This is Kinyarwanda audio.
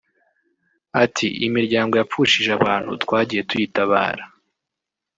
Ati “ Imiryango yapfushije abantu twagiye tuyitabara